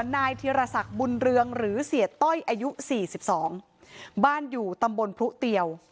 นายธีรศักดิ์บุญเรืองหรือเสียต้อยอายุ๔๒บ้านอยู่ตำบลพรุเตียว